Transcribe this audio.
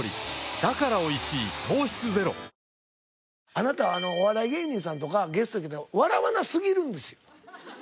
あなたお笑い芸人さんとかゲストで来て笑わなすぎるんですよ。